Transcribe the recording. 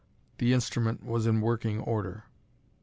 The instrument was in working order.